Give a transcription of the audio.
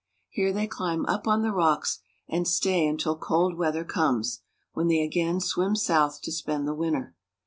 Here they climb up on the rocks, and stay until cold weather comes, when they again swim south to spend the winter.